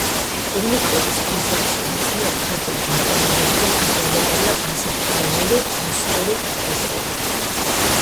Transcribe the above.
უნიკოდის კონსორციუმის მიერ ქართული დამწერლობებიდან აღიარებულია ასომთავრული, ნუსხური, მხედრული.